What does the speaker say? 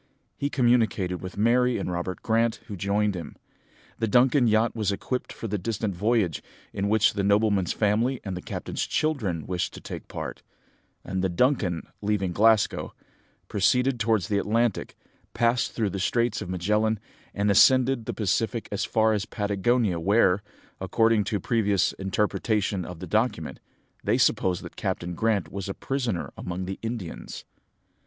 He communicated with Mary and Robert Grant, who joined him. The Duncan yacht was equipped for the distant voyage, in which the nobleman's family and the captain's children wished to take part; and the Duncan, leaving Glasgow, proceeded towards the Atlantic, passed through the Straits of Magellan, and ascended the Pacific as far as Patagonia, where, according to a previous interpretation of the document, they supposed that Captain Grant was a prisoner among the Indians.